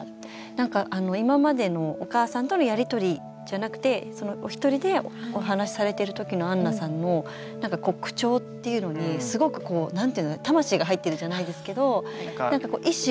なんか今までのお母さんとのやり取りじゃなくてお一人でお話しされてる時のあんなさんの口調っていうのにすごくこう何ていうの魂が入ってるじゃないですけど意思を。